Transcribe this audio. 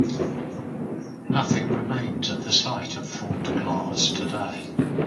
Nothing remains at the site of Fort Glass today.